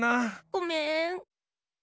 ごめん。